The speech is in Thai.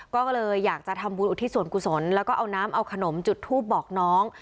ก็เลยอยากจะทำบุญอุทิศส่วนกุศลแล้วก็เอาน้ำเอาขนมจุดทูบบอกน้อง